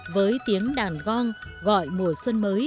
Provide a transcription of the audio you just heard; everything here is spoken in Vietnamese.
với tiếng đàn gong gọi mùa xuân mới